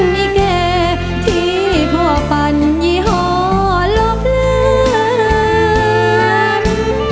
มีแก่ที่พ่อปั่นยี่ห้อลบลืม